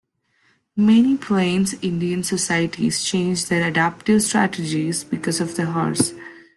Many Plains Indian societies changed their adaptive strategies because of the horse.